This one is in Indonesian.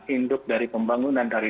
induk dari pembangunan dari